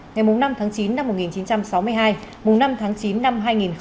ngày năm tháng chín năm một nghìn chín trăm sáu mươi hai năm tháng chín năm hai nghìn hai mươi